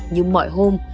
như mọi hôm